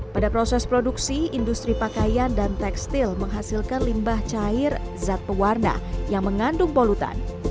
pada proses produksi industri pakaian dan tekstil menghasilkan limbah cair zat pewarna yang mengandung polutan